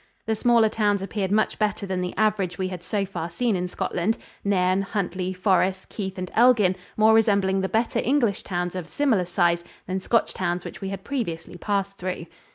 The smaller towns appeared much better than the average we had so far seen in Scotland; Nairn, Huntly, Forres, Keith and Elgin more resembling the better English towns of similar size than Scotch towns which we had previously passed through.